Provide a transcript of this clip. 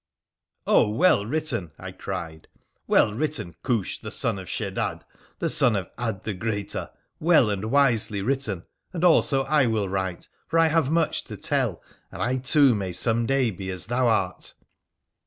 ' Oh, well written !' I cried. ' Well written, Khoosh, the son of Sheddad, the son of 'Ad the Greater, well and wiselj written, and also I will write, for I have much to tell, and ] too may some day be as thou art